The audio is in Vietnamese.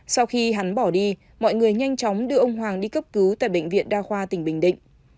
sau khi hắn bỏ đi mọi người nhanh chóng đưa ông hoàng đi cấp cứu tại bệnh viện đa khoa tỉnh bình định